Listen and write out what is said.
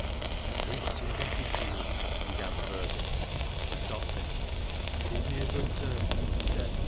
" I am very much indebted to you," began Fergus. Sht stopped him. "Tha did me a good turn," she said.